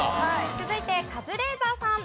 続いてカズレーザーさん。